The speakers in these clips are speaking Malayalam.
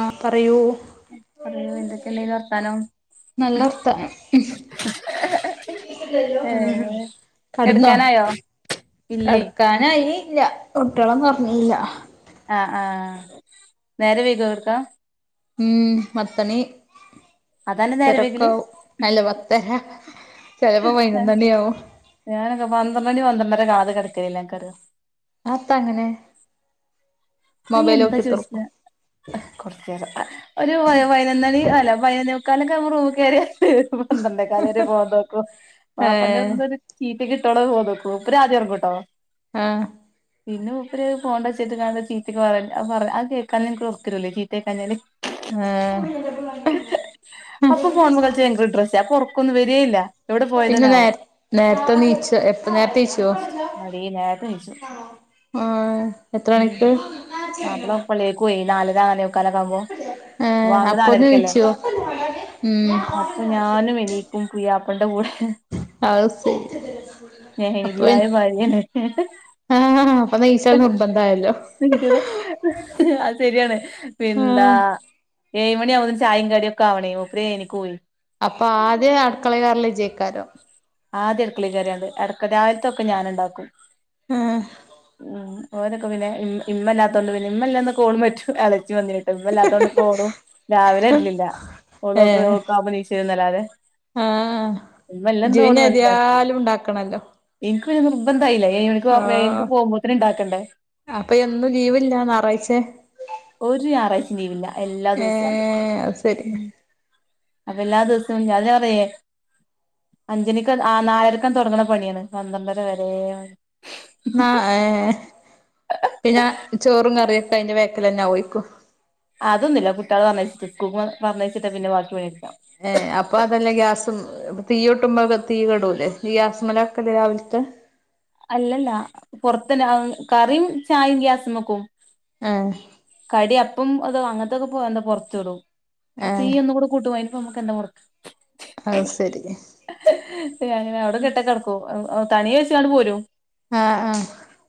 ആഹ് പറയൂ പറയു എന്തൊക്കെയിണ്ടേനു വർത്താനം നല്ല വർത്താനം ഏഹ് ഹ് കടന്നോ കെടക്കാനായോ ഇല്ലേ കെടക്കാനായി ഇല്ല കുട്ട്യോളൊന്നും ഒറങ്ങീക്കില്ല ആഹ് ആഹ് നേരം വൈകിയാ കിടക്കാ മ്മ് പത്തണി അതാന്റെ നേരം പത്തരൊക്കെ വൈകല് ആകും അല്ല പത്തര ചെലപ്പോ പതിനൊന്നണിയാവും ഞാനൊക്കെ പന്ത്രണ്ട് മണി പന്ത്രണ്ടര ആകാതെ കിടക്കുന്നില്ലാത്ത ആൾക്കാരാ അതെത്താ അങ്ങനെ അയ്യ് മൊബൈൽ എന്താ നോക്കിത്തിർക്കും ചോദിച്ചത് കൊറച്ചേരം ഒരു പതിനൊന്നുമണി അല്ല പതിനൊന്നെ മുക്കാ ക്കാലൊക്കെ ആകുമ്പോൾ റൂമിൽ കേറിയാൽ ഒരു പന്ത്രണ്ടേകാല് വരെയൊക്കെയെ ഏഹ് [unintelligible] [unintelligible] മൂപ്പര് ആദ്യം ഉറങ്ങൂട്ടോ ആഹ് പിന്നെ മൂപ്പര് ഫോൺന്റെ ഒച്ചേട്ട്ക്കാണ്ട് ചീത്ത ഒക്കെ പറയ. അത് പറ അത് കേക്കാഞ ഇൻക്ക് ഒറക്ക് വരൂലെ. ചീത്തേക്കാഞ്ഞാല്. ആഹ് അപ്പൊ ഫോൺ മേൽ കളിച്ചാൻ ഇൻക്ക് ഇൻട്രസ്റ്റാ. അപ്പൊ ഉറക്കൊന്നും വരേല്ല. പിന്നെ നേര് നേരത്തെ നീച്ചോ എപ്പ നേരത്തെ നീച്ചുവോ? അടീ നേരത്തെ നീച്ചു ആഹ് എത്ര ഉം മണിക്ക്? മാപ്പള പള്ളികയ്ക്ക് പോയി. നാലരാകാന് ക്കനകാവുമ്പോ. ഏഹ് വാങ്ക് അപ്പൊന്ന് നാലരക്കല്ലേ? നീച്ചോ ഉം അപ്പൊ ഞാനും എണീക്കും പൂയാപ്ലേന്റെ കൂടെ അഹ് സരി അപ്പൊ പിൻ. സ്നേഹനിധിയായ ഭാര്യയാണ് ആഹ് അപ്പൊ [unintelligible] നിർബന്തായല്ലോ അത് സെര്യായാണ്. പിൻന്താ ആഹ് ഏഴ് മണി ആകുമ്പത്തിന് ചായ് യും കടി ഒക്കെ ആവണെ. മൂപ്പര് ഏഴ് മണിക്ക് പോയി അപ്പൊ ആദ്യം അടുക്കളെ കേറൽ ഇജ്ജെയ്ക്കാരം. ആദ്യം അടക്കളെ കേറിയ അത് എടക്ക് രാവിലത്തെയൊക്കെ ഞാൻ ഉണ്ടാക്കും ആഹ് മ്മ് ഓരൊക്കെ പിന്നെ ഇമ്മ ഇമ്മല്ലാത്തൊണ്ട് പിന്നെ ഇമ്മല്ലാക്കെ [unintelligible] ഇജ് വന്നിട്ട് ഇമ്മ ഇല്ലാത്തോണ്ട് ഇപ്പോ ഓളും രാവിലെ വരണില്ല ഓളക്കെ ഏഹ് ക്ക അഭിനീശര [unintelligible] ന്നല്ലാതെല്ല വിജയവിന എരിയാ [unintelligible] ലും ഉണ്ടാക്കണ [unintelligible] ല്ലോ ബ [unintelligible] ഇതായില്ല ഏഴുമണിക്ക് ഏഴുമണിക്ക് പോകുമ്പോത്തന്നെ ഇണ്ടാക്കണ്ടേ അപ്പൊ എന്നും ലീവില്ല ഞായറാഴ്ചെ ഒരു ഞായറാഴ്ചയും ലീവില്ല എല്ല ദെവസവും ഒണ്ട് ഏഹ് അത് ശരി അപ്പൊ എല്ലാ ദെവസവും അവര് പറയുവെ അഞ്ചനിക്ക ആ നാലരക്ക തൊടങ്ങണ പണിയാണ് പന്ത്രണ്ടര വരെ ആ ഏയ് പിന്നെ ചോറും കറിയൊക്കെ അതിന്റെ വെ - അതുപോലെ തന്നെ ആ ഒര്ക്കും അതൊന്നും ഇല്ല കുട്ടികളെ പറഞ്ഞയച്ചിട്ട പറഞ്ഞച്ചിട്ട പിന്നെ ബാക്കി പണിയൊക്കെ ഏ അപ്പൊ അതല്ലേ ഗ്യാസും- ഇപ്പൊ തീ കൂട്ടുമ്പോ തീ കെടൂല്ലേ ഈ ഗ്യാസുംമേല വക്കല് രാവിലത്തെ അല്ല അല്ല പൊറത്തന്നെ കറിയും ചായയും ഗ്യാസുംമെ വയ്ക്കും ആഹ് ഇപ്പം അതോ അങ്ങനത്തൊക്കെ പോ എന്താ പുറത്ത് വിടും അ തീ ഏഹ് ഒന്ന്കൂടെ കൂട്ടും അയിനിപ്പ നമ്മുക്ക് എന്താ മൊടക്ക് അത് സരി അങ്ങനെ അവിടെ കെട്ടി കെടക്കും തനിയെ വെച്ചാണ്ട് ഇങ് പോരും ആഹ് ആഹ്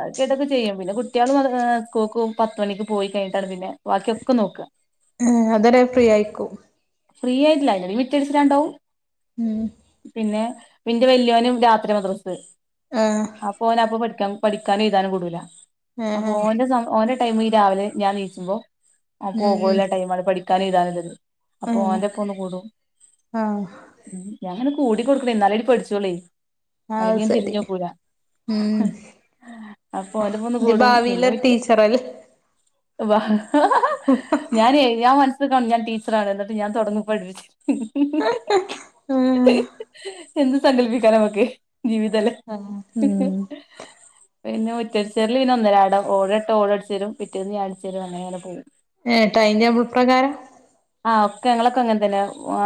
അത് കേട്ടൊക്കെ ചെയ്യും പിന്നെ കുട്ടികള് വന്ന് സ്കൂളുക്ക് പത്ത്മണിക്ക് പോയികഴിഞ്ഞിട്ടാണ് പിന്നെ- ബാക്കിയൊക്കെ നോക്കുക അത് വരെ ഫ്രീ ആയിക്കും ഫ്രീ ആയിട്ടില്ലായില്ല എന്തെങ്കിലും വിറ്റടിച്ചട്ടാണ്ടാവും ഉം പിന്നെ- പിന്നെ വല്യോനും രാത്രി മദ്രസ് ആഹ് ആ അപ്പൊ ഓന് എ പ്പോ പഠിക്കും പഠിക്കാനും എഴുതാനും കൊടൂല ഏഹ് അപ്പൊ ഏഹ് ഓന്റെ ഓന്റെ ടൈമ് ഈ രാവിലെ ഞാനെണീച്ചുമ്പോ അത് ഉം ഉം ഓല ടൈമാണ് പഠിക്കാനും എഴുതാനും ഇള്ളത് അപ്പൊ ഉം ഓൻ്റൊപ്പൊന്ന് കൂടും ആഹ് ഞങ്ങ കൂടി കൊടുക്കണേ എന്നാലേ അവര് പടിച്ചോളേ അത് അല്ലെങ്കി ശരി തിരിഞ്ഞോക്കൂല ഉം അപ്പൊ ഓലപ്പൊന്ന് ഇജ് കൂടും പിന്നെ ഭാവിയിലൊരു വിറ്റ ടീച്ചറല്ലേ വാ ഞാനേ ഞാൻ മനസ്സ്ക്ക ഞാൻ ടി റാണ് എന്നിട്ട് ഞാൻ തുടങ്ങും പഠിപ്പിച്ചി ഉം എന്ത് സങ്കല്പിക്കാനാ നമുക്ക് ജീവിതല്ലേ ആഹ് ഉം പിന്നെ [unintelligible] പിന്നെ ഒന്നരാടം ഓടട്ട ഓളടിച്ചരും പിറ്റേന്ന് ഞാ അടിച്ചരും അങ്ങനെ പോകും ഏഹ് ടൈം ടേബിൾ പ്രകാരം ആഹ് ഒക്കെ ഞങ്ങളൊക്കെ അങ്ങനെ തന്നാ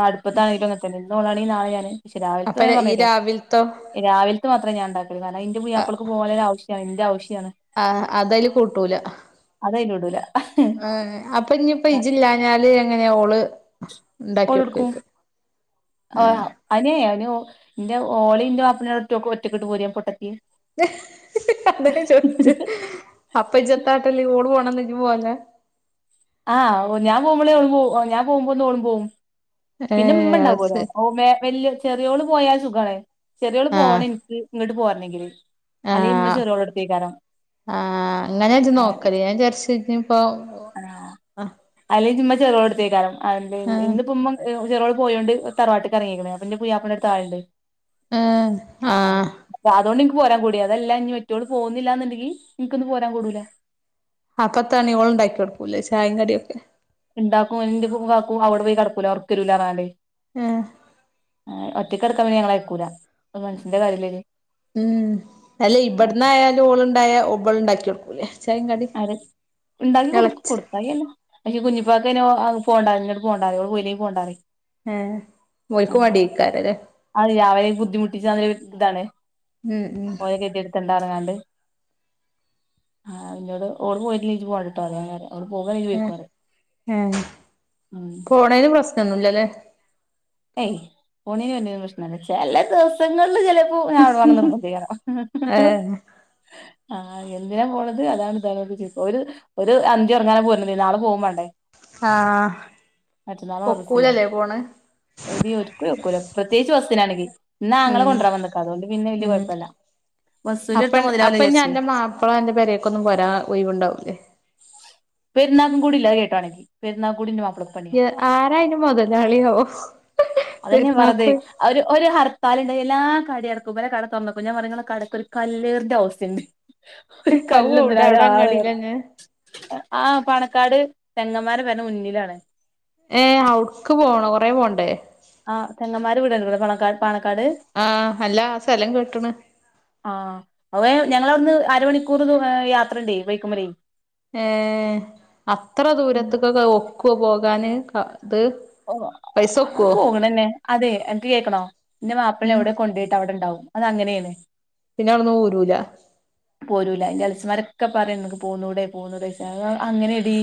അടുപ്പത്താണെങ്കിലും അങ്ങന തന്നെ ഇന്നോളാണെങ്കി നാളെ ഞാന് പക്ഷെ അപ്പൊ രാവിലത്തും ഞാൻ ഈ പറഞ്ഞില്ലേ രാവിലത്തോ രാവിലത്ത മാത്രേ ഞാൻ ഇണ്ടാക്കല് കാരണം ഇന്റെ പുതിയാപ്പിളക്ക് പോവാനൊരു ആ അയിന്റെ ആവശ്യം ആ അതായല് കൂട്ടൂല അത് അയില് വിടൂല ആ അപ്പൊ ഇനി ഇജ്ജ് ഇപ്പം ഇല്ലാഞ്ഞാല് എങ്ങനെയ ഓള് ഇണ്ടാക്കി ഓള് എടുക്കും കൊടുക്കുവായിരിക്കും ആ അനു അനു ഇന്റെ ഓളി ഇന്റെ മാപ്പിള ഒറ്റക്കെട്ട് പോരാ പൊട്ടത്തി അതൊക്കെ ചോദിച്ചു അപ്പ ഇജത്താട്ടല്ലേ ഓള് പോണന്ന് ഇജ്ജ് പോകലില്ല ആ ഓ ഞാൻ പോകുമ്പോളേ ഓ ഞാൻ പോകുമ്പോ ഒന്ന് ഓ പോകും പിന്നെ ഉമ്മ ഏഹ് അത് ഉണ്ടാവലോ ശരി ഓ വല്യ ചെറിയോള് പോയാൽ സുഖണേ ചെറിയോള് ആഹ് പോണം ഇനിക്ക് ഇങ്ങോട്ട് പോരണെങ്കില് അല്ലെങ്കിൽ ഇമ്മ ചെറിയോള എടുത്തേക്കാരം ആ അങ്ങനത് ഇജ്ജ് നോക്കല് ഞാൻ വിചാരിച്ച് ഇപ്പ ആ ചെറിയോളെടുത്ത്കാരം അല്ലെങ്കിൽ ഇന്നിപ്പം ഉമ്മ ചെറോൾ പോയോണ്ട് തറവാട്ട് കറങ്ങയിക്കേ അപ്പോ ഇന്റെ പുയാപ്പിളന്റെ അടുത്താളു ഏഹ് ണ്ട് ആഹ് അ അതുകൊണ്ട് പോരാൻ കൂടിയ അതല്ല ഇനി മറ്റോള് പോകുന്നില്ലുണ്ടങ്കിൽ എനിക്ക്ന്ന് പോരാൻ കൂടുല ആ പത്തണിഓള് ഉണ്ടാക്കി കൊടുക്കൂല്ലേ ചായ കടിൊക്കെ ഉണ്ടാക്കും അന്റെക്കും അവിടെ പോയി കടക്കൂല ഒറെക്ക് വർക്കരുല പറഞ്ഞാണ്ട് ഹേ ഒറ്റക്ക് കിടക്കാൻ ഞങ്ങൾ അയക്കൂല ഉം അല്ല ഇവിടുന്ന് ആയാലും ഓളുണ്ടായ ഓള് ഉണ്ടാക്കിടുക്കൂല്ലേ ആ ഉണ്ടാക്കി കൊടു കൊടുക്കായി അല്ല പക്ഷെ കുഞ്ഞ ഇപ്പാക്ക് പോണ്ട എനിട്ട് പോണ്ട പറിം ഓള് പോയില്ലെങ്കിൽ പോണ്ട പറയിം ഏഹ് ആ ഓൽക്ക് മടിയേക്കാരല്ലേ അത് രാവിലെയും ബുദ്ധിമുട്ടിച്ച് അ താണ് ഉം ഉം ഓല കെതിഎടുക്കണ്ട പറഞ്ഞുകാണ്ട് ആ ആ ഇന്നോട് ഓള് പോയിട്ടില്ലെക്കിൽ ഇജ്ജ് പോടാട്ടോ അങ്ങനേ പറയാ ഏ ഏ ഉം പോണയിന് പ്രശ്നം ഒന്നുമില്ലല്ലോ ഏയ് പോണേന്നും വരണെനും പ്രശ്നം ല്ല ചില ദിവസങ്ങളിൽ ചില അപ്പോ ഞാൻവിടെ വേണം നിർബന്ധമില്ല ഏഹ് ആ എന്തിനാ പോണത് അതാണ് ഇതാണ് ചോയ്ക്കും ഒരു ഒരു അന്തിം ഉറങ്ങാന പോര്ണത് നാളെ പോകും വേണ്ടേ ആഹ ഒക്കൂലല്ലേ പോണ് എടി ഒരിക്കലും ഒക്കൂല പ്രത്യേകിച്ച് ബസ്സിനാണെകിൽ ഇന്ന് ആങ്ങള ഉം കൊണ്ടവരാൻ വന്നക്ക്‌ അത് കൊണ്ട് പിന്നെ വല്യ ഉം കുഴപ്പല്ല ബസ്സില് എടുത്താ അപ്പ മുതലാവൂല അപ്പൊഞ് വിചാരിച്ച് അന്റെ മാപ്പിള അന്റെ പേരൊക്ക ഒന്നും പോരാ ഒയ് വ് ണ്ടാവൂല്ലേ പെരുന്നാും കൂടി അയ് ഇല്ല കേട്ടാണി പെരുന്നാ കൂടി ഇന്റെ മാപ്പിള പെരുന്നാളും പ്പണിയ ആരാ അയിന് മൊതലാളിയാവോ അതന്നെ വെറുതെ പെരുന്നാക്കോയ് ഒരു ഹർ താലുണ്ട് എല്ലാ കടക്കുംപല കട തുറന്നോക്കും ഞാൻ പറഞ്ഞ കടക്ക ഒരു കല്ലേറിടെ ഓസ്ഥുണ്ട് ഒരു അവു കല്ല് എവിടെ എന്തിനാ അവിടെ ഓരാള് എർ അങ്ങാടിയിലന്നെ ആ പാണക്കാട് തങ്ങന്മാരെ പെരന്റെ മുന്നിലാണ് ഏ അവിടക്ക് പോണോ കൊറേ പോണ്ടേ ആ തങ്ങൻമാരെ വീട് കണ്ട ക്ക്ണോ പാ ണക്കാട് പാണക്കാട് ആഹ് അല്ല ആ സ്ഥലം കേട്ട്ണ് ആ ഞങൾ അവിടുന്ന് അരമണിക്കൂർ ദു യാത്ര ഉണ്ടേ ബൈക്കിമ്മൽ ഏ അത്ര ഉം ദൂരത്ത് കൊക്കെ ഒക്കോ പോകാന് ഇത് ഓ പൈസ ഒക്കുവോ പോകണന്നെ അതെ എനിക്ക് കേക്കണോ നിന്റെ മാപ്പിളിനെ ഉം എവിടെ കൊണ്ട പോയിട്ട് അവിടെണ്ടാവും അത അങ്ങനെയാണ് പിന്നെ അവിന്ന പോരൂല പോരുല്ല ഇന്റെ ഇളയച്ഛന്മാരൊക്കെ പറയാ ഇങ്ങക്ക് പോന്നൂടെ പോന്നൂടെ അത് അങ്ങനെടി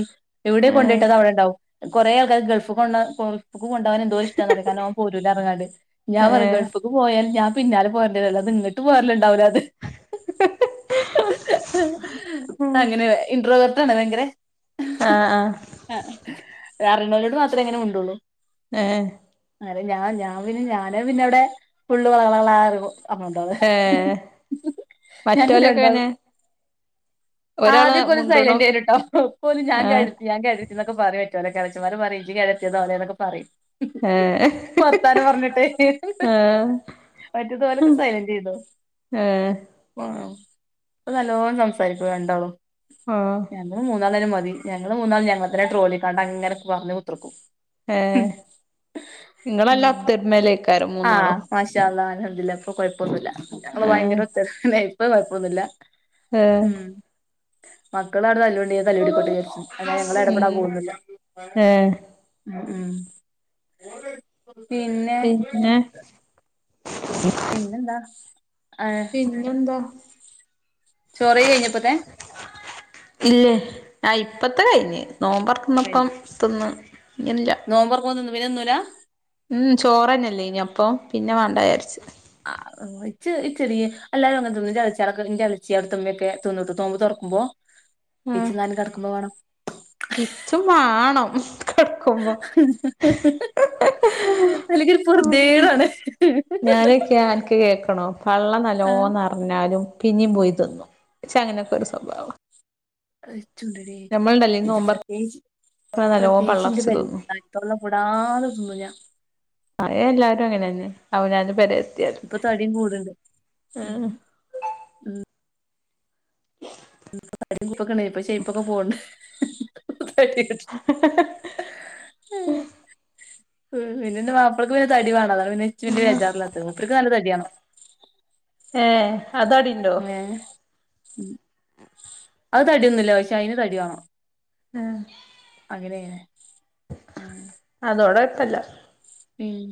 എവിടെ ഏഹ് കൊണ്ടിട്ടത് അവിടെ ഉണ്ടാവും കൊറെേ ആൾക്കാർ ഗൾഫ് കൊ ഗൾഫ്ക്ക് കൊണ്ടോവാൻ എന്തോ ഇഷ്ടാന്ന്റാര കാരണം പോരൂലാന്ന് പറഞ്ഞുകാണ്ട് ഞാ പറയാ ഏഹ് ഗൾഫക്ക് പോയാൽ ഞാൻ പിന്നാലെ പോയന്റെ രും അല്ലാതെ ഇങ്ങോട്ട് പോറലുണ്ടാവില്ല [unintelligible] ഭയങ്കര അ അ അറിയുന്നവരോട് മാത്രേ ഇങ്ങനെമുണ്ടോള്ളൂ ഏ ഹ് അ ഞാൻ ഞാൻ പിന്നെ ഞാനേ പിന്നെ അ വിടെ ഫുള്ള് വള വള ഏഹ് [unintelligible] [unintelligible] ഞാന് മറ്റോലൊക്കെ ഉണ്ടാവു എങ്ങനെ ഒരാള് ആദ്യം കുറേ മുണ്ട്ണു സൈലന്റ്നി ട്ടോ ഇപോ ഞാൻ ആഹ് [unintelligible] എന്നൊക്കെ പറയും ഇളച്ചമ്മാരും പറയും [unintelligible] പറയും ഏഹ് ഭർത്താന പറഞ്ഞിട്ടേ ആഹ് മറ്റതുപോലെക്കെ സൈലന്റെ എന്നു ഏഹ് [unintelligible] നല്ലോണം സംസാരിക്കും രണ്ടാളും ആഹ് ഞങ്ങള് മൂന്നാളന്നെ മതി തി ഞങ്ങള്ൾ മൂന്നാ ഞങ്ങൾന്നെ ട്രോലി കണ്ട അങ്ങനെ പറഞ് കുത്തിർക്കും ഏ നിങ്ങളല്ലാത്തരുമലേക്കാരും ആ മാശാഅള്ളാ അൽഹംദുലില്ലാ ഇപ്പൊ കൊയപ്പൊന്നുല്ല ഞങ്ങള് വയങ്കര ടെൻഷനേ ഇപ്പൊ കൊയ്പ്പൊന്നുല്ല്യ ഏ മക്കളാആടെ തല്ലൂ ന്ന തല്ലൂടിക്കോട്ടേജാര്ച്ചും അല്ലാ ഞങ്ങളെടപെടാൻ ഉം പോവൊന്നുല്ല ഏഹ് ഉം ഉം പിന്നേ പിന്നെ പിന്നെന്താ പിന്നെന്താ ചൊറയി ഇപ്പത്തെ ഇല്ലേ ആ ഇപ്പത്തെ കഴിഞ്ഞ് നോമ്പർകുഭം പ്പം കഴിഞ്ഞ് തിന്ന് ഇന്ന് ല്ല പിന്നെന്നൂലാ ഉം ചോറെന്നെല്ലേനിയപ്പോ പിന്നെ വേണ്ടായാര്ച്ച് ആ ഇച്ച് ഇച്ചെടീ എല്ലാരും അങ്ങെൻതിന്നും ൻ്റെളച്ചി യളൊക്കെ ൻ്റെളച്ചി അട്ത്തെമ്മക്കെ തിന്ന് നോബ്ബർക്കുബ്ബോ ആഹ് ഇച്ച് ന്നാലും കെട്ക്കുബോ മാണം ഇച്ചും വാണം ഹ കെടക്കുമ്പോ ഹഹ്ഹ [unintelligible] അല്ലങ്കിൽ പൊർതിയേടാണ് പള്ള നല്ലോന്നർഞ്ഞാലും പിന്നിം പൊയി തിന്നും ഇച്ചങ്ങനൊക്കൊരു സ്വഭാവാ അഹ്ച്ചുഡ്ഢെടീ ഇത് നോമ്പർക്കുമ്പോ പ്രത്യേകി നല്ലോ പ്രത്യേകിച്ചിന്റെ പള്ളർച്ച് തിന്നും പരിയി തൊള്ള കൂടാതെ തിന്നു ഞാൻ അ എല്ലാരും അങ്ങനെയന്നെ അവനാൻ്റെ പെര ഇപ്പൊ തടിം കൂടുണ്ട് ഏഹ് ഉം കുപ്പൊക്കെ ഇപ്പ ഷൈപ്പൊക്കെ പോവ്ണ്ട് [unintelligible] ഉം പിന്നെൻ്റെ മാപ്പൾക് പിന്നെ തടി വാണം അതോണ്ട് പിന്നെ ഇച്ച് വല്ല്യ ബേജാറില്ലാത്തെ മൂപ്പർക്ക് നല്ല തട്യാണം ഏ അതടിണ്ടൊ ഉം അഹ് തടിയൊന്നുല്ല പക്ഷെ അയിന് തടിവാണം എ അങ്ങനെ ണ് ഹെ അല്ല ഉം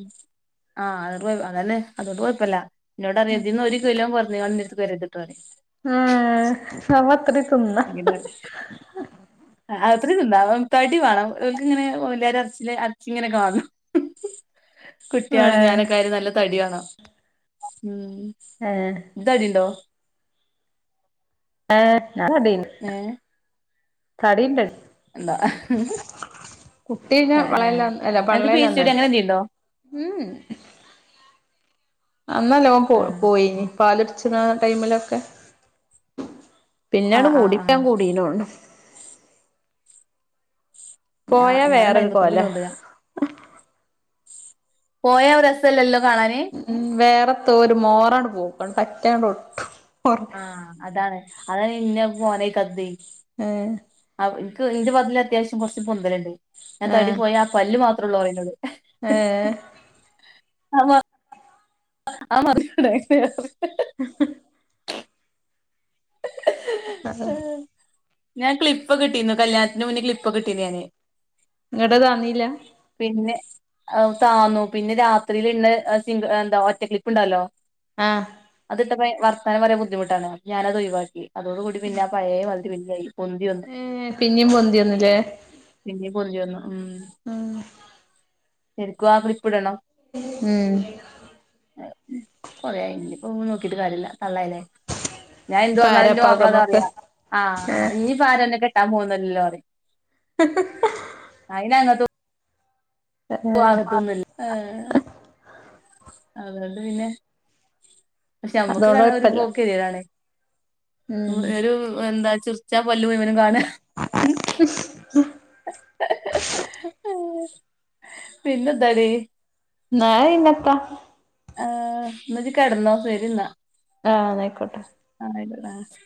ആ അതോ അതന്നെ അതൊണ്ട് കൊഴപ്പല്ല ഇന്നോടറിയ ഇതിന്നൊരു കിലോ കൊർഞ്ഞ്കാട് ഇൻ്റട്ത്ത്ക് വരേര്ത്ട്ടോ റിയും ഉം നമ്മത്ര അഹാ ത്രിം തിന്ന ഉം തടി വാണം ഓൽക്കങ്ങനെഓല്യാരെ എർച്ചിലെ എർച്ചിങ്ങനെ കാണണം കുട്യളും ഏഹ് ഞാനൊക്കായാലും നല്ല തട്യാണം ഏഹ് ഉം തടിഢോ ഏ ഞാതടി തടിയൊക്കെ എന്താ കുട്ടീക്കെ വളേൽ അല്ല പി സി ഡി അങ്ങനെ പള്ളേല്ലണ്ടാരുന്നില്ല എന്തേണ്ടോ ഉം അന്നല്ലെ ഓൻ പോ ആ പോയിനി പാലുടിച്ചിണ ടൈമിലൊക്കെ പിന്നങ്ങട് ആഹ് ആഹ് കൂടിക്കാ ആഹ് കൂടീനോണ് ഞാ പോയാ ഞാനുണ്ട് വേറൊരു കോലാ അയ്മ്പത്തൊമ്പതിലുണ്ട് ഞാൻ. പോയാ ഒരു രസല്ലല്ലോ കാണാന് ഉം വേറെത്തോരു മോറാണ്ട് പോവും പറ്റാണ്ട് ഒട്ടും ഒർ ആഹ് അതാണ് അതാണ് ഇന്ന മോരയിക്കാത്തതേ ഏഹ് ഇൻക് ഇന്റെ പതിൽ അത്യാവശ്യം കൊർച്ച് പൊന്തലുണ്ട് ഞാ തടി ഏഹ് പോയ ആഹ് പല്ല് മാത്രൊള്ളു പറയുന്നത് ഏഹ് അതാ [unintelligible] [inaudible] ആ ഞാ ക്ലിപ്പ കിട്ടി കല്യാണത്തിന് മുന്നേ ക്ലിപ്പ് ഒക്കെ ഇട്ടിനി ഞാന് ഇങ്ങോട്ട തന്നീല്ല പിന്നെ താന്നു പിന്നെ രാത്രിൽ ഇണ്ണ സി എന്താ ഒറ്റക്ലിപ്പ് ഉണ്ടാലോ ആഹ് ഇത്തെപയ് വർത്താനം പറ്യാ ബുധിമുട്ടാണ്. അപി ഞാനത് ഒഴിവാകി അതോടുകൂടി പിന്നെ പയേ വാതിരി പിന്നി യായി. ഏഹ് പിന്നിം പൊന്തിന്ന്ല്ലേ പിന്നേം പൊന്തി വന്നു ഉം ശരിക്കും ആ ക്ലിപ്പിടണം. ഉം എഹ് കൊറേയായി ഞ്പ്പൊ നോക്കിട്ട് കാര്യല്ല തള്ളായിലേ ഞാ എന്തു ഇപ്പ പർഞ്ഞാലും ന്റെ ആരാപ്പാക്ക മാപ്പ്ള നമ്മക്ക് താറിയ ആഹ് ഏഹ് ഇഞ്ഞി ആരന്നെ കെട്ടാൻ പോവ്ന്നല്ലല്ലോ അറി അയ്നങ്ങതോ [unintelligible] അതെ ട് പിന്നെ പക്ഷെ അമ്മക്ക് അതുകൊണ്ട് കാണാ ഒരു കൊഴപ്പല്ല ബോക്ക് [unintelligible] ഉം ഒരു എന്താ ചീർച്ചാ പല്ല് മുഴുവനും കാണ പിന്നെന്താടി ന്നാ ഇന്നത്ത ആഹ് ന്നാ ജ് കെടന്നോ ശരി ന്നാ ആഹ് ന്നാ ആയിക്കോട്ടെ ന്നാ സ്